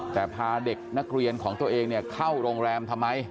แต่พาเด็กนักเรียนของตัวเองเข้าโรงแรมทำไม